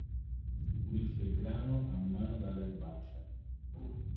Si pulisce il grano a mano dalle erbacce.